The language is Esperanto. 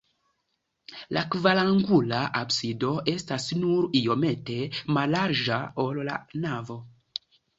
La kvarangula absido estas nur iomete mallarĝa, ol la navo.